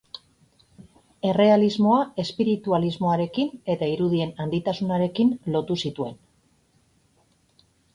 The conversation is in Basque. Errealismoa espiritualismoarekin eta irudien handitasunarekin lotu zituen.